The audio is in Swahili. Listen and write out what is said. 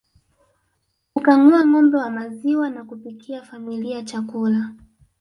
Kukamua ngombe maziwa na kupikia familia chakula